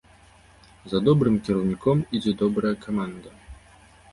За добрым кіраўніком ідзе добрая каманда!